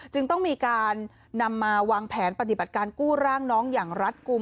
จึงต้องมีการนำมาวางแผนปฏิบัติการกู้ร่างน้องอย่างรัฐกลุ่ม